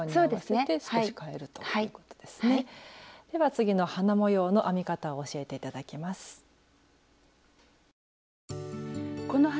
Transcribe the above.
では次の花模様の編み方を教えていただきます。